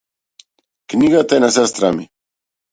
Книгата е на сестра ми.